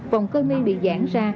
vòng cơ mi bị giãn ra